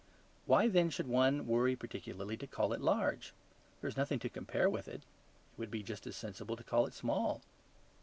Why, then, should one worry particularly to call it large? There is nothing to compare it with. It would be just as sensible to call it small.